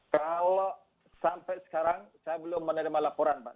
kalau sampai sekarang saya belum menerima laporan pak